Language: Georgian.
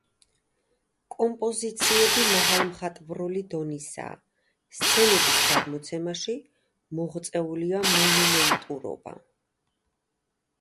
კომპოზიციები მაღალმხატვრული დონისაა; სცენების გადმოცემაში მოღწეულია მონუმენტურობა.